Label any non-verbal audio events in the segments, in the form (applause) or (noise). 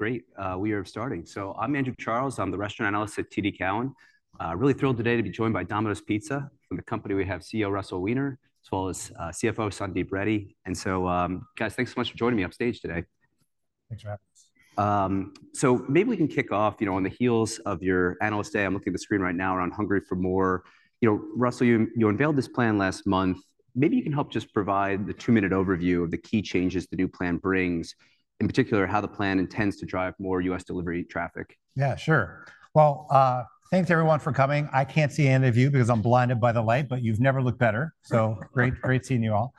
Great, we are starting. So I'm Andrew Charles. I'm the restaurant analyst at TD Cowen. Really thrilled today to be joined by Domino's Pizza. From the company, we have CEO Russell Weiner, as well as, CFO Sandeep Reddy. And so, guys, thanks so much for joining me on stage today. Thanks for having us. So maybe we can kick off, you know, on the heels of your analyst day. I'm looking at the screen right now around Hungry for MORE. You know, Russell, you unveiled this plan last month. Maybe you can help just provide the two-minute overview of the key changes the new plan brings, in particular, how the plan intends to drive more U.S. delivery traffic. Yeah, sure. Well, thanks, everyone, for coming. I can't see any of you because I'm blinded by the light, but you've never looked better. So great, great seeing you all.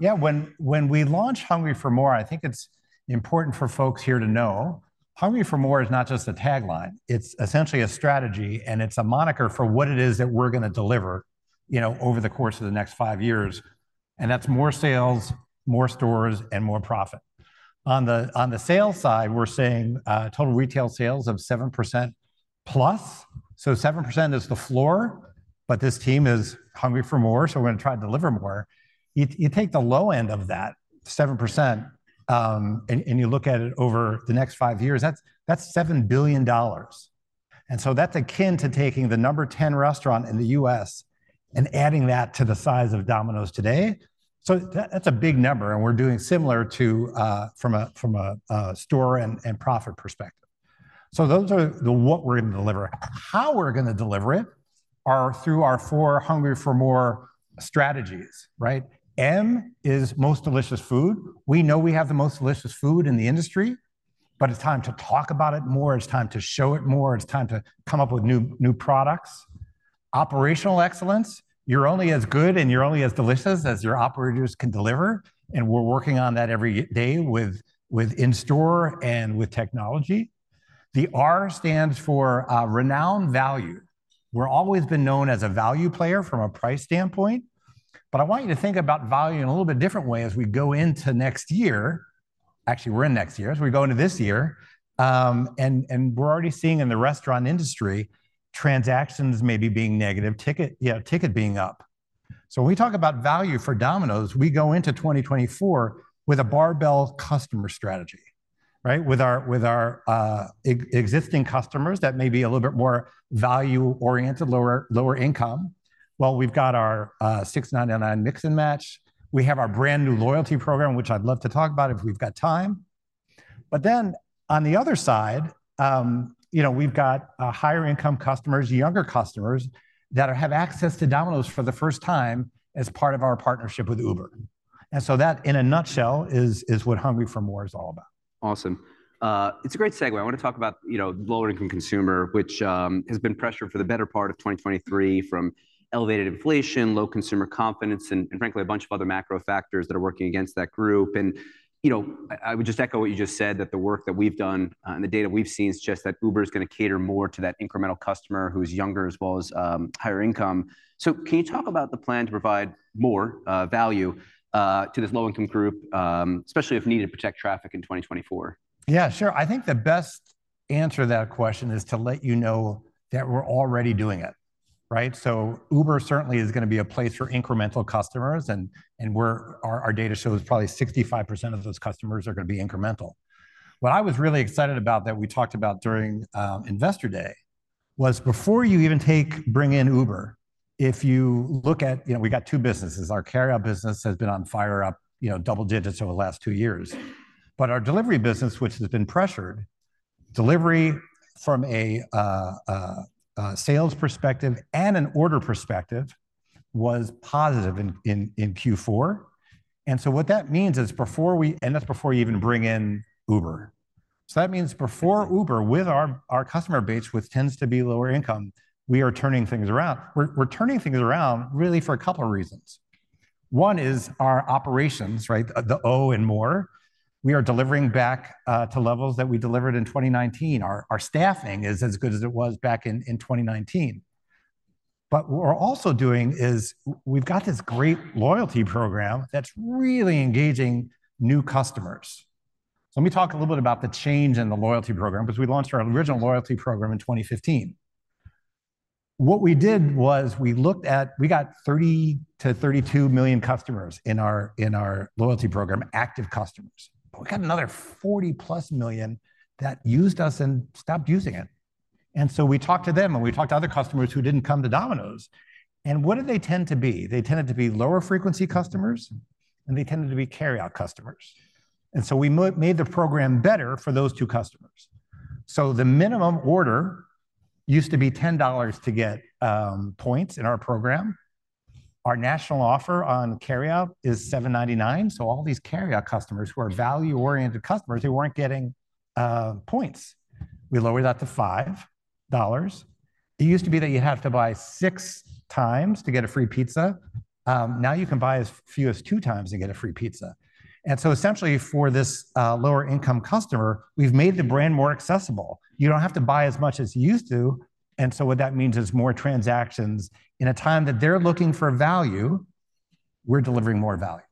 Yeah, when we launched Hungry for MORE, I think it's important for folks here to know Hungry for MORE is not just a tagline, it's essentially a strategy, and it's a moniker for what it is that we're gonna deliver, you know, over the course of the next five years. And that's more sales, more stores, and more profit. On the sales side, we're seeing total retail sales of 7%+. So 7% is the floor, but this team is hungry for more, so we're gonna try to deliver more. You take the low end of that 7%, and you look at it over the next five years. That's $7 billion. And so that's akin to taking the number 10 restaurant in the U.S. and adding that to the size of Domino's today. So that's a big number, and we're doing similar to from a store and profit perspective. So those are what we're gonna deliver. How we're gonna deliver it is through our four Hungry for MORE strategies, right? M is most delicious food. We know we have the most delicious food in the industry, but it's time to talk about it more, it's time to show it more, it's time to come up with new products. Operational excellence, you're only as good and you're only as delicious as your operators can deliver, and we're working on that every day with in-store and with technology. The R stands for renowned value. We're always been known as a value player from a price standpoint, but I want you to think about value in a little bit different way as we go into next year. Actually, we're in next year, as we go into this year, and we're already seeing in the restaurant industry, transactions may be being negative, ticket, yeah, ticket being up. So when we talk about value for Domino's, we go into 2024 with a barbell customer strategy, right? With our existing customers, that may be a little bit more value-oriented, lower income. Well, we've got our $6.99 mix and match. We have our brand-new loyalty program, which I'd love to talk about if we've got time. But then, on the other side, you know, we've got higher-income customers, younger customers, that have access to Domino's for the first time as part of our partnership with Uber. And so that, in a nutshell, is what Hungry for MORE is all about. Awesome. It's a great segue. I want to talk about, you know, lower-income consumer, which has been pressured for the better part of 2023 from elevated inflation, low consumer confidence, and frankly, a bunch of other macro factors that are working against that group. And, you know, I would just echo what you just said, that the work that we've done and the data we've seen suggests that Uber is gonna cater more to that incremental customer who's younger as well as higher income. So can you talk about the plan to provide more value to this low-income group, especially if needed to protect traffic in 2024? Yeah, sure. I think the best answer to that question is to let you know that we're already doing it, right? So Uber certainly is gonna be a place for incremental customers, and we're, our data shows probably 65% of those customers are gonna be incremental. What I was really excited about that we talked about during Investor Day, was before you even bring in Uber, if you look at... You know, we got two businesses. Our carryout business has been on fire, up, you know, double digits over the last two years. But our delivery business, which has been pressured, delivery from a sales perspective and an order perspective, was positive in Q4. And so what that means is before we, and that's before you even bring in Uber. So that means before Uber, with our customer base, which tends to be lower income, we are turning things around. We're turning things around really for a couple of reasons. One is our operations, right? The O in MORE, we are delivering back to levels that we delivered in 2019. Our staffing is as good as it was back in 2019. But what we're also doing is we've got this great loyalty program that's really engaging new customers. So let me talk a little bit about the change in the loyalty program, because we launched our original loyalty program in 2015. What we did was we looked at. We got 30,000,000-32,000,000 customers in our loyalty program, active customers. But we got another 40,000,000+ million that used us and stopped using it. We talked to them, and we talked to other customers who didn't come to Domino's. What did they tend to be? They tended to be lower-frequency customers, and they tended to be carryout customers. We made the program better for those two customers. The minimum order used to be $10 to get points in our program. Our national offer on carryout is $7.99, so all these carryout customers who are value-oriented customers, they weren't getting points. We lowered that to $5. It used to be that you have to buy 6x to get a free pizza. Now you can buy as few as 2x to get a free pizza. Essentially, for this lower-income customer, we've made the brand more accessible. You don't have to buy as much as you used to, and so what that means is more transactions. In a time that they're looking for value, we're delivering more value.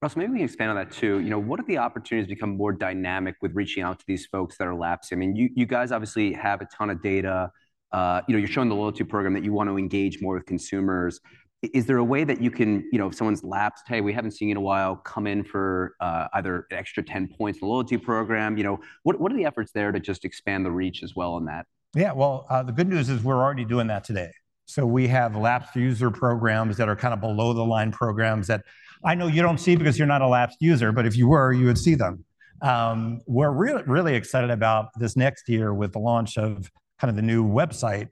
Russell, maybe we can expand on that, too. You know, what are the opportunities to become more dynamic with reaching out to these folks that are lapsed? I mean, you, you guys obviously have a ton of data. You know, you're showing the loyalty program that you want to engage more with consumers. Is there a way that you can, you know, if someone's lapsed, "Hey, we haven't seen you in a while, come in for either an extra 10 points in the loyalty program?" You know, what, what are the efforts there to just expand the reach as well on that? Yeah, well, the good news is we're already doing that today. So we have lapsed user programs that are kind of below-the-line programs that I know you don't see because you're not a lapsed user, but if you were, you would see them. We're really excited about this next year with the launch of kind of the new website,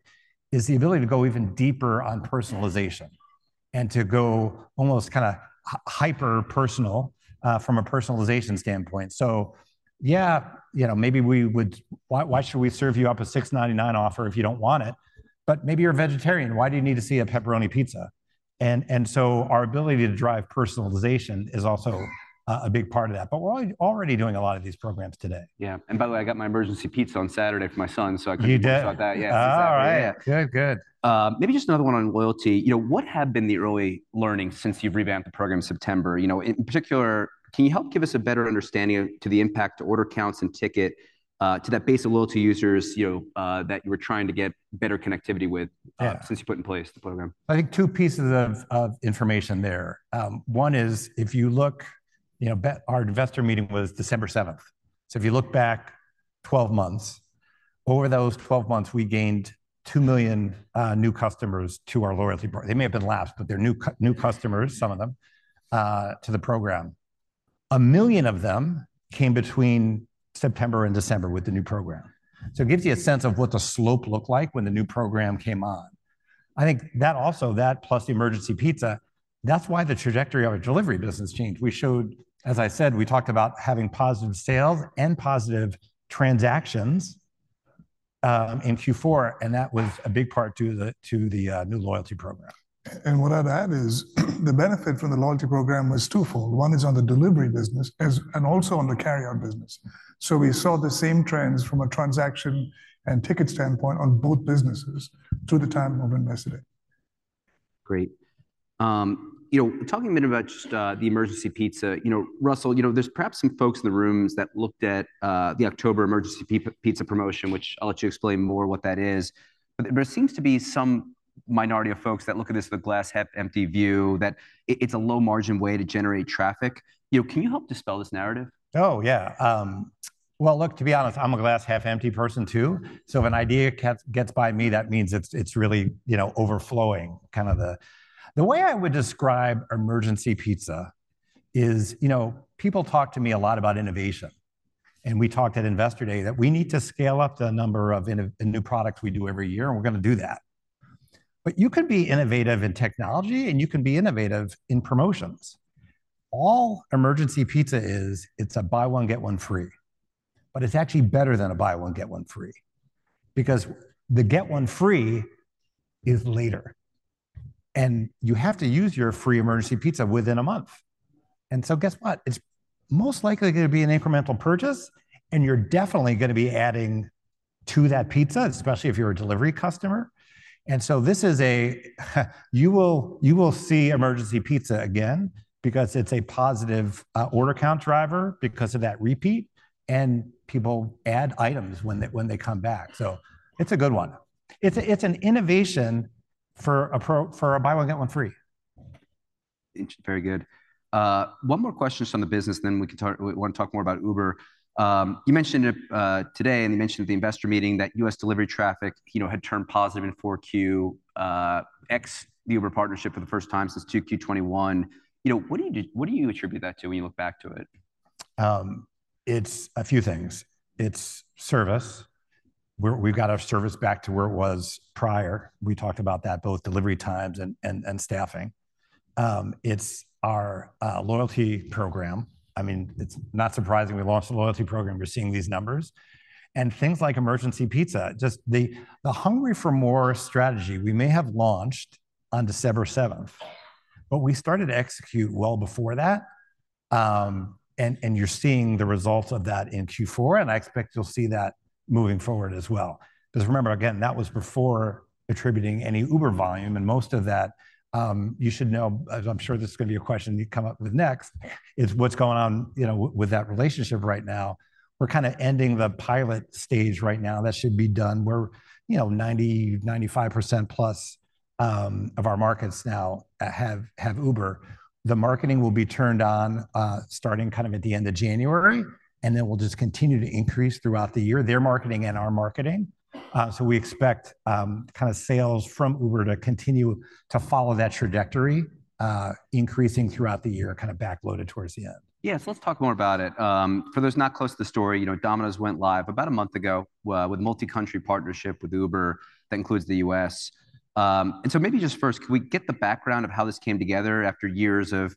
is the ability to go even deeper on personalization and to go almost kind of hyper-personal from a personalization standpoint. So yeah, you know, maybe we would... Why, why should we serve you up a $6.99 offer if you don't want it? But maybe you're a vegetarian, why do you need to see a pepperoni pizza? And, and so our ability to drive personalization is also a big part of that, but we're already doing a lot of these programs today. Yeah, and by the way, I got my Emergency Pizza on Saturday for my son, so I (crosstalk) You did? (crosstalk) About that, yeah. Oh, right. Yeah, yeah. Good, good. Maybe just another one on loyalty. You know, what have been the early learnings since you've revamped the program in September? You know, in particular, can you help give us a better understanding to the impact to order counts and ticket to that base of loyalty users, you know, that you were trying to get better connectivity with, since you put in place the program? I think two pieces of information there. One is if you look, you know, our investor meeting was December 7th, so if you look back 12 months, over those 12 months, we gained 2,000,000 new customers to our loyalty program. They may have been lapsed, but they're new customers, some of them to the program. 1,000,000 of them came between September and December with the new program. So it gives you a sense of what the slope looked like when the new program came on. I think that also, that plus the Emergency Pizza, that's why the trajectory of our delivery business changed. We showed, as I said, we talked about having positive sales and positive transactions in Q4, and that was a big part to the new loyalty program. What I'd add is, the benefit from the loyalty program was twofold: one is on the delivery business, and also on the carryout business. So we saw the same trends from a transaction and ticket standpoint on both businesses to the time of Investor Day. Great. You know, talking a bit about just the Emergency Pizza, you know, Russell, you know, there's perhaps some folks in the rooms that looked at the October Emergency Pizza promotion, which I'll let you explain more what that is. But there seems to be some minority of folks that look at this with a glass half empty view, that it, it's a low-margin way to generate traffic. You know, can you help dispel this narrative? Oh, yeah. Well, look, to be honest, I'm a glass half empty person too, so if an idea gets by me, that means it's really, you know, overflowing, kind of the... The way I would describe Emergency Pizza is, you know, people talk to me a lot about innovation, and we talked at Investor Day that we need to scale up the number of new products we do every year, and we're going to do that. But you can be innovative in technology, and you can be innovative in promotions. All Emergency Pizza is, it's a buy one, get one free. But it's actually better than a buy one, get one free, because the get one free is later, and you have to use your free Emergency Pizza within a month. And so guess what? It's most likely going to be an incremental purchase, and you're definitely going to be adding to that pizza, especially if you're a delivery customer. And so this is a, you will, you will see Emergency Pizza again because it's a positive, order count driver because of that repeat, and people add items when they, when they come back. So it's a good one. It's a, it's an innovation for a pro- for a buy one, get one free. Very good. One more question just on the business, then we can talk, we want to talk more about Uber. You mentioned, uh, today, and you mentioned at the investor meeting that US delivery traffic, you know, had turned positive in Q4, ex the Uber partnership for the first time since 2Q 2021. You know, what do you, what do you attribute that to when you look back to it? It's a few things. It's service, where we've got our service back to where it was prior. We talked about that, both delivery times and staffing. It's our loyalty program. I mean, it's not surprising we launched a loyalty program, we're seeing these numbers. And things like Emergency Pizza, just the Hungry for More strategy we may have launched on December 7th, but we started to execute well before that. And you're seeing the results of that in Q4, and I expect you'll see that moving forward as well. Because remember, again, that was before attributing any Uber volume, and most of that, you should know, as I'm sure this is going to be a question you come up with next, is what's going on, you know, with that relationship right now. We're kind of ending the pilot stage right now.= That should be done where, you know, 90%-95%+ of our markets now have Uber. The marketing will be turned on starting kind of at the end of January, and then we'll just continue to increase throughout the year, their marketing and our marketing. So we expect kind of sales from Uber to continue to follow that trajectory, increasing throughout the year, kind of backloaded towards the end. Yes, let's talk more about it. For those not close to the story, you know, Domino's went live about a month ago with multi-country partnership with Uber. That includes the U.S. And so maybe just first, can we get the background of how this came together after years of,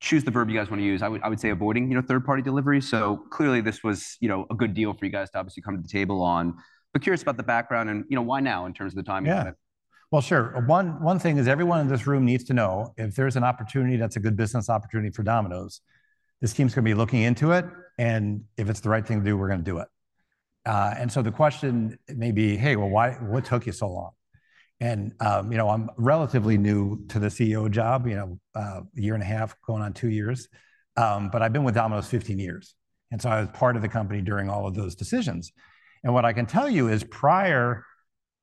choose the verb you guys want to use, I would, I would say avoiding, you know, third-party delivery. So clearly, this was, you know, a good deal for you guys to obviously come to the table on. But curious about the background and, you know, why now, in terms of the timing? Yeah. Well, sure. One thing is everyone in this room needs to know if there's an opportunity that's a good business opportunity for Domino's, this team's going to be looking into it, and if it's the right thing to do, we're going to do it. And so the question may be: "Hey, well, why what took you so long?" And, you know, I'm relatively new to the CEO job, you know, one year and a half, going on two years. But I've been with Domino's 15 years, and so I was part of the company during all of those decisions. And what I can tell you is, prior,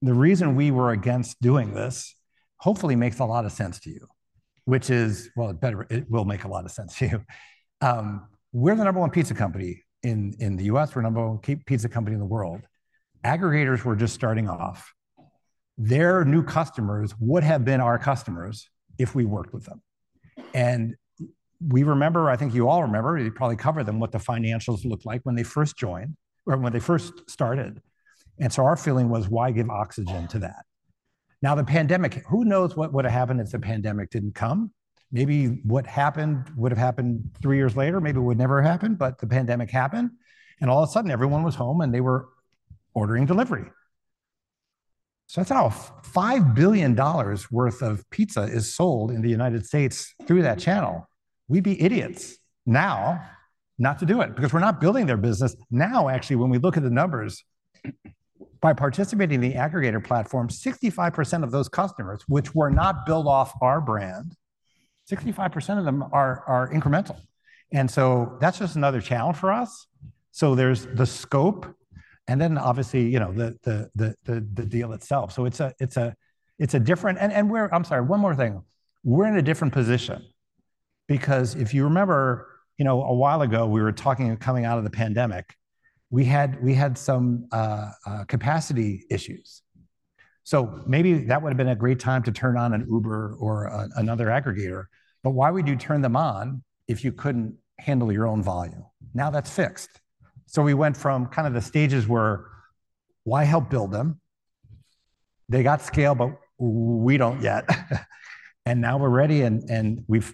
the reason we were against doing this hopefully makes a lot of sense to you, which is... Well, it will make a lot of sense to you. We're the number one pizza company in the U.S. We're the number one pizza company in the world. Aggregators were just starting off. Their new customers would have been our customers if we worked with them. And we remember, I think you all remember, you probably covered them, what the financials looked like when they first joined or when they first started, and so our feeling was, why give oxygen to that? Now, the pandemic, who knows what would have happened if the pandemic didn't come? Maybe what happened would have happened three years later, maybe it would never have happened, but the pandemic happened, and all of a sudden, everyone was home, and they were ordering delivery. So that's how $5 billion worth of pizza is sold in the United States through that channel. We'd be idiots now not to do it, because we're not building their business. Now, actually, when we look at the numbers, by participating in the aggregator platform, 65% of those customers, which were not billed off our brand, 65% of them are incremental, and so that's just another channel for us. So there's the scope, and then obviously, you know, the deal itself. So it's a different... I'm sorry, one more thing. We're in a different position because if you remember, you know, a while ago, we were talking, coming out of the pandemic, we had some capacity issues. So maybe that would've been a great time to turn on an Uber or another aggregator, but why would you turn them on if you couldn't handle your own volume? Now, that's fixed. So we went from kind of the stages where, why help build them? They got scale, but we don't yet. And now we're ready, and we've,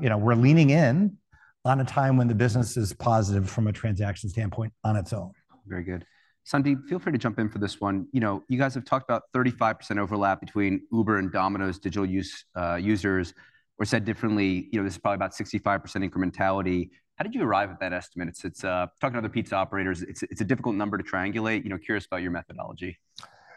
you know, we're leaning in on a time when the business is positive from a transaction standpoint on its own. Very good. Sandeep, feel free to jump in for this one. You know, you guys have talked about 35% overlap between Uber and Domino's digital users, or said differently, you know, this is probably about 65% incrementality. How did you arrive at that estimate? It's talking to other pizza operators, it's a difficult number to triangulate. You know, curious about your methodology.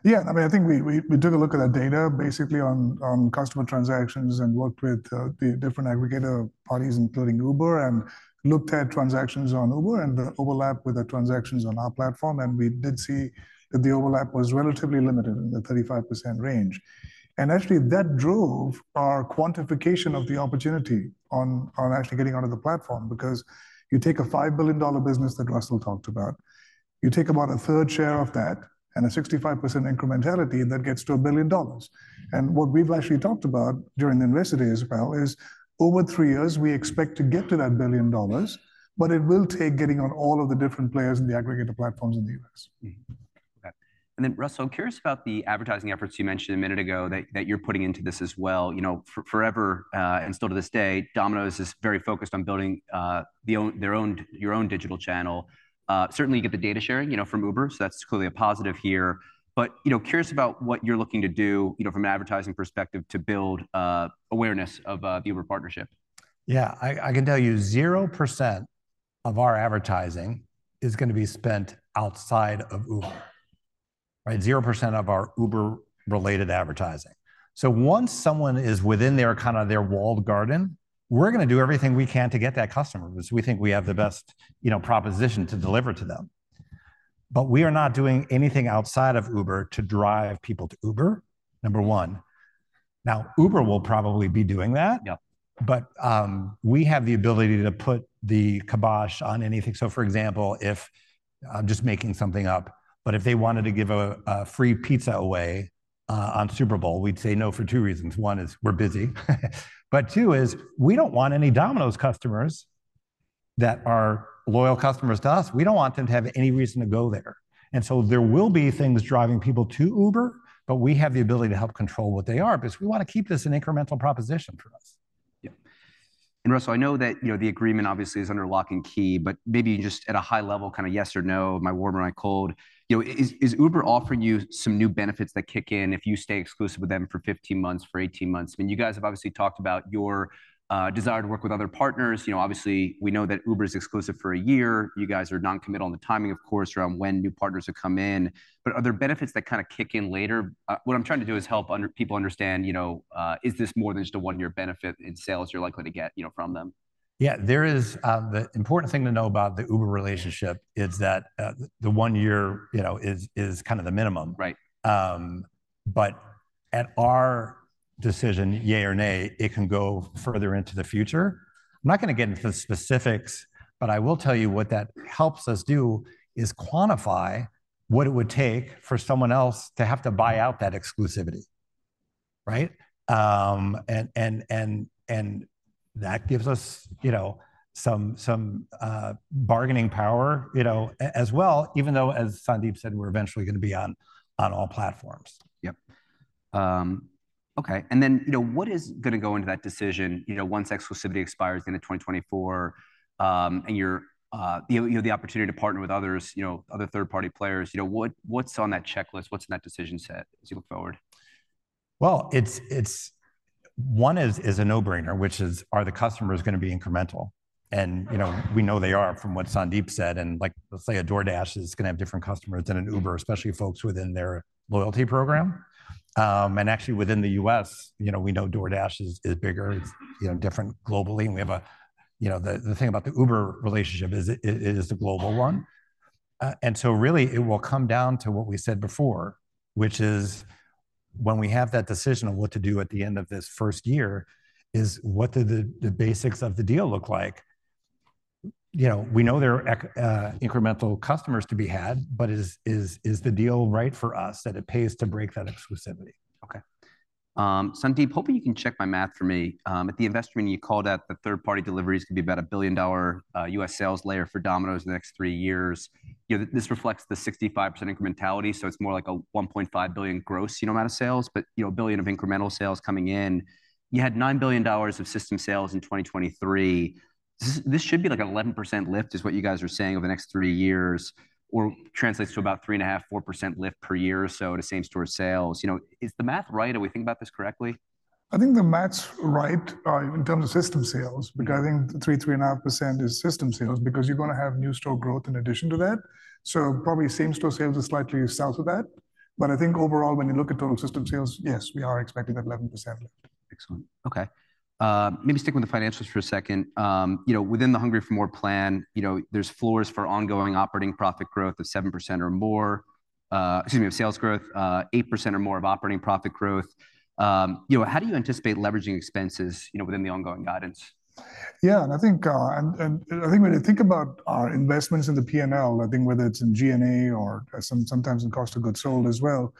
Yeah, I mean, I think we took a look at that data basically on customer transactions and worked with the different aggregator parties, including Uber, and looked at transactions on Uber and the overlap with the transactions on our platform, and we did see that the overlap was relatively limited, in the 35% range. And actually, that drove our quantification of the opportunity on actually getting onto the platform, because you take a $5 billion business that Russell talked about, you take about a third share of that and a 65% incrementality, and that gets to $1 billion. And what we've actually talked about during the investment as well is, over three years, we expect to get to that $1 billion, but it will take getting on all of the different players in the aggregator platforms in the U.S. Okay. And then, Russell, I'm curious about the advertising efforts you mentioned a minute ago that you're putting into this as well. You know, forever, and still to this day, Domino's is very focused on building their own your own digital channel. Certainly, you get the data sharing, you know, from Uber, so that's clearly a positive here. But, you know, curious about what you're looking to do, you know, from an advertising perspective to build awareness of the Uber partnership. Yeah. I can tell you, 0% of our advertising is going to be spent outside of Uber. Right? 0% of our Uber-related advertising. So once someone is within their kind of walled garden, we're going to do everything we can to get that customer because we think we have the best, you know, proposition to deliver to them. But we are not doing anything outside of Uber to drive people to Uber, number one. Now, Uber will probably be doing that- Yep. We have the ability to put the kibosh on anything. So, for example, if I'm just making something up, but if they wanted to give a free pizza away on Super Bowl, we'd say no for two reasons. One is we're busy, but two is we don't want any Domino's customers that are loyal customers to us, we don't want them to have any reason to go there. And so there will be things driving people to Uber, but we have the ability to help control what they are because we want to keep this an incremental proposition for us. Yeah. Russell, I know that, you know, the agreement obviously is under lock and key, but maybe just at a high level, kind of yes or no, am I warm or am I cold? You know, is Uber offering you some new benefits that kick in if you stay exclusive with them for 15 months, for 18 months? I mean, you guys have obviously talked about your desire to work with other partners. You know, obviously, we know that Uber is exclusive for a year. You guys are non-committal on the timing, of course, around when new partners will come in. But are there benefits that kind of kick in later? What I'm trying to do is help people understand, you know, is this more than just a one-year benefit in sales you're likely to get, you know, from them? Yeah, there is... the important thing to know about the Uber relationship is that, the one year, you know, is kind of the minimum. Right. But at our decision, yay or nay, it can go further into the future. I'm not going to get into the specifics, but I will tell you what that helps us do is quantify what it would take for someone else to have to buy out that exclusivity, right? And that gives us, you know, some bargaining power, you know, as well, even though, as Sandeep said, we're eventually going to be on all platforms. Yep. Okay. And then, you know, what is going to go into that decision, you know, once exclusivity expires the end of 2024, and you're, you have the opportunity to partner with others, you know, other third-party players. You know, what, what's on that checklist? What's in that decision set as you look forward? Well, one is a no-brainer, which is, are the customers going to be incremental? And, you know, we know they are from what Sandeep said, and like, let's say a DoorDash is going to have different customers than an Uber, especially folks within their loyalty program. And actually within the U.S., you know, we know DoorDash is bigger, it's different globally. And we have, you know, the thing about the Uber relationship is, it is a global one. And so really it will come down to what we said before, which is when we have that decision of what to do at the end of this first year, is what do the basics of the deal look like? You know, we know there are incremental customers to be had, but is the deal right for us that it pays to break that exclusivity? Okay. Sandeep, hoping you can check my math for me. At the investment, you called out that third-party deliveries could be about a $1 billion U.S. sales layer for Domino's in the next three years. You know, this reflects the 65% incrementality, so it's more like a $1.5 billion gross, you know, amount of sales, but, you know, a billion of incremental sales coming in. You had $9 billion of system sales in 2023. This should be like an 11% lift, is what you guys are saying, over the next three years, or translates to about 3.5%-4% lift per year or so to same-store sales. You know, is the math right? Are we thinking about this correctly? I think the math's right in terms of system sales, because I think the 3%-3.5% is system sales, because you're going to have new store growth in addition to that. So probably same-store sales is slightly south of that. But I think overall, when you look at total system sales, yes, we are expecting that 11% lift. Excellent. Okay. Maybe stick with the financials for a second. You know, within the Hungry for MORE plan, you know, there's floors for ongoing operating profit growth of 7% or more, excuse me, of sales growth, eight percent or more of operating profit growth. You know, how do you anticipate leveraging expenses, you know, within the ongoing guidance? Yeah, and I think, and I think when you think about our investments in the P&L, I think whether it's in G&A or sometimes in cost of goods sold as well,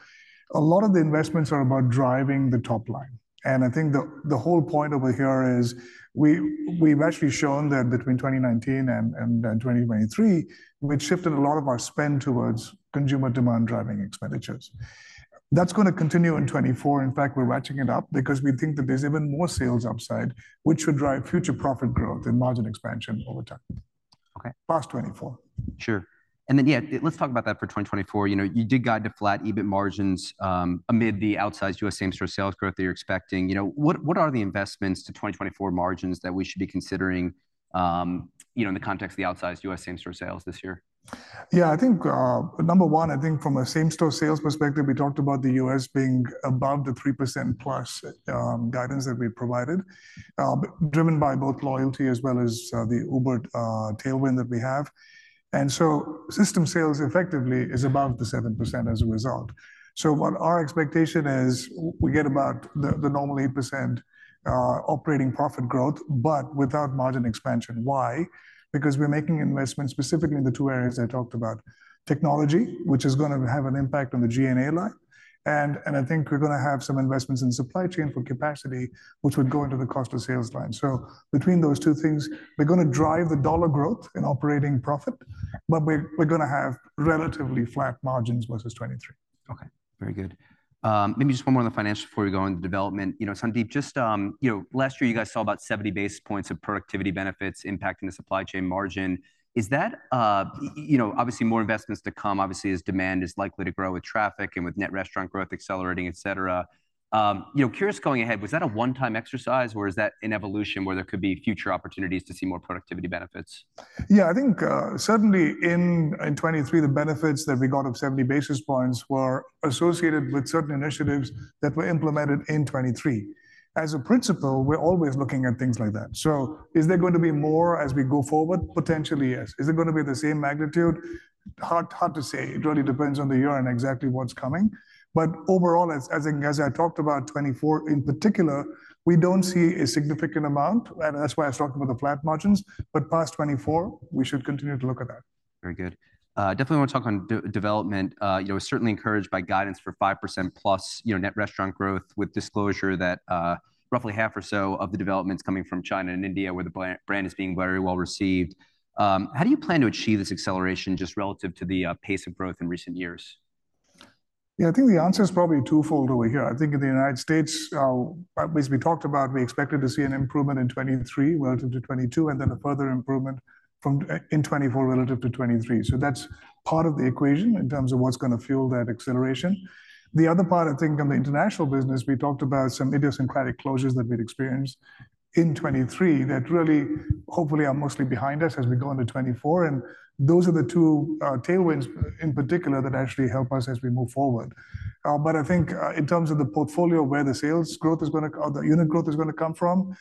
a lot of the investments are about driving the top line. And I think the whole point over here is we've actually shown that between 2019 and 2023, we'd shifted a lot of our spend towards consumer demand driving expenditures. That's going to continue in 2024. In fact, we're ratcheting it up because we think that there's even more sales upside, which should drive future profit growth and margin expansion over time. Okay. Past 2024. Sure. Then, yeah, let's talk about that for 2024. You know, you did guide to flat EBIT margins amid the outsized U.S. same-store sales growth that you're expecting. You know, what are the investments to 2024 margins that we should be considering, you know, in the context of the outsized U.S. same-store sales this year? Yeah, I think, number one, I think from a same-store sales perspective, we talked about the U.S. being above the 3%+ guidance that we provided, driven by both loyalty as well as the Uber tailwind that we have. And so system sales effectively is above the 7% as a result. So what our expectation is, we get about the normal 8% operating profit growth, but without margin expansion. Why? Because we're making investments specifically in the two areas I talked about: technology, which is going to have an impact on the G&A line, and I think we're going to have some investments in supply chain for capacity, which would go into the cost of sales line. So between those two things, we're going to drive the dollar growth in operating profit, but we're going to have relatively flat margins versus 2023. Okay, very good. Maybe just one more on the financials before we go on to development. You know, Sandeep, just, you know, last year you guys saw about 70 basis points of productivity benefits impacting the supply chain margin. Is that, you know, obviously more investments to come, obviously, as demand is likely to grow with traffic and with net restaurant growth accelerating, et cetera. You know, curious going ahead, was that a one-time exercise, or is that an evolution where there could be future opportunities to see more productivity benefits? Yeah, I think certainly in 2023, the benefits that we got of 70 basis points were associated with certain initiatives that were implemented in 2023. As a principle, we're always looking at things like that. So is there going to be more as we go forward? Potentially, yes. Is it going to be the same magnitude? Hard, hard to say. It really depends on the year and exactly what's coming. But overall, as I talked about 2024 in particular, we don't see a significant amount, and that's why I was talking about the flat margins, but past 2024, we should continue to look at that. Very good. Definitely want to talk on development. You know, we're certainly encouraged by guidance for 5%+, you know, net restaurant growth, with disclosure that roughly half or so of the development's coming from China and India, where the brand is being very well received. How do you plan to achieve this acceleration just relative to the pace of growth in recent years? Yeah, I think the answer is probably twofold over here. I think in the United States, as we talked about, we expected to see an improvement in 2023 relative to 2022, and then a further improvement from in 2024 relative to 2023. So that's part of the equation in terms of what's going to fuel that acceleration. The other part, I think, on the international business, we talked about some idiosyncratic closures that we'd experienced in 2023 that really, hopefully, are mostly behind us as we go into 2024. And those are the two tailwinds in particular that actually help us as we move forward. But I think in terms of the portfolio, where the sales growth is going to... or the unit growth is going to come from,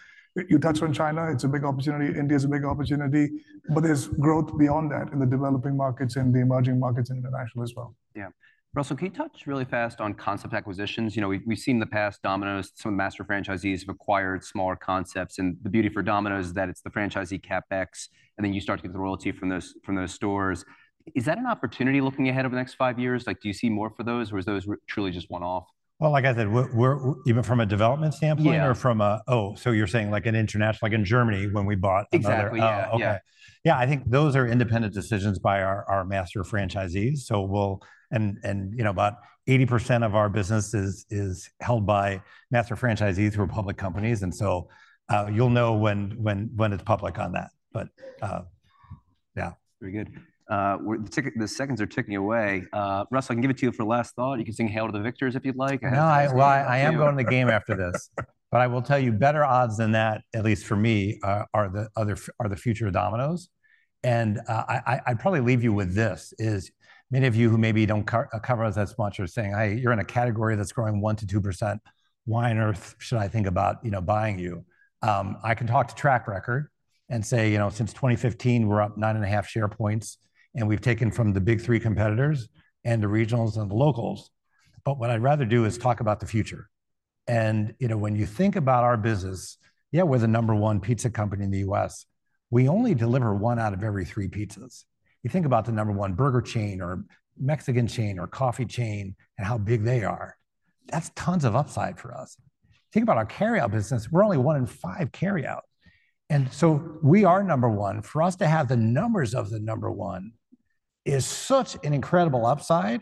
you touched on China, it's a big opportunity. India is a big opportunity, but there's growth beyond that in the developing markets and the emerging markets and international as well. Yeah. Russell, can you touch really fast on concept acquisitions? You know, we've seen in the past, Domino's, some of the master franchisees have acquired smaller concepts, and the beauty for Domino's is that it's the franchisee CapEx, and then you start to get the royalty from those stores. Is that an opportunity looking ahead over the next five years? Like, do you see more for those, or is those truly just one-off? Well, like I said, we're even from a development standpoint- Yeah Or from a Oh, so you're saying like an international, like in Germany when we bought another? Exactly, yeah. Oh, okay. Yeah, I think those are independent decisions by our master franchisees. So we'll... And, you know, about 80% of our business is held by master franchisees who are public companies, and so, you'll know when it's public on that. But, yeah. Very good. The seconds are ticking away. Russell, I can give it to you for a last thought. You can sing Hail to the Victors, if you'd like. No, well, I am going to the game after this. But I will tell you, better odds than that, at least for me, are the future of Domino's. And, I'd probably leave you with this: many of you who maybe don't cover us as much are saying, "Hey, you're in a category that's growing 1%-2%. Why on earth should I think about, you know, buying you?" I can talk to track record and say, you know, since 2015, we're up 9.5 share points, and we've taken from the big three competitors and the regionals and the locals. But what I'd rather do is talk about the future. And, you know, when you think about our business, yeah, we're the number one pizza company in the U.S. We only deliver one out of every three pizzas. You think about the number one burger chain or Mexican chain or coffee chain and how big they are, that's tons of upside for us. Think about our carryout business. We're only one in five carryout. And so we are number one. For us to have the numbers of the number one is such an incredible upside,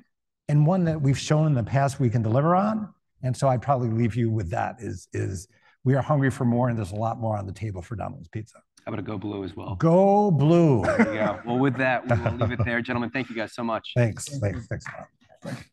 and one that we've shown in the past we can deliver on. And so I'd probably leave you with that, is we are hungry for more, and there's a lot more on the table for Domino's Pizza. How about a go blue as well? Go blue! Yeah. Well, with that, we will leave it there. Gentlemen, thank you guys so much. Thanks. Thanks. Thanks a lot. Thanks.